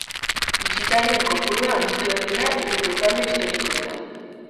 Bisitarien kopurua handitu egin da hiru lurralde historikoetan.